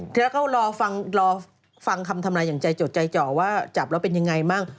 และเขาลองฟังคำคำนาญังใจจดใจเจาะว่าจับแล้วเป็นยังไงบ้าง